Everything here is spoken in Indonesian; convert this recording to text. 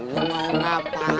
lu mau ngapain